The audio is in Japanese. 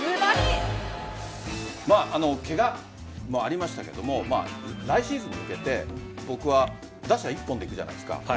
ケガもありましたけれども来シーズンに向けて打者一本でいくじゃないですか。